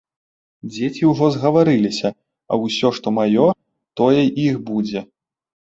Дзеці ўжо згаварыліся, а ўсё, што маё, тое іх будзе.